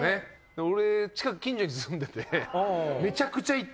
俺近く近所に住んでて。